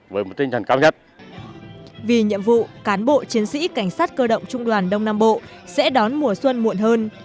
vì nhiệm vụ cán bộ chiến sĩ cảnh sát cơ động trung đoàn đông nam bộ sẽ đón mùa xuân muộn hơn